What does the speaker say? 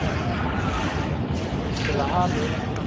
اصطلاحات د علم خنډ نه ګرځي.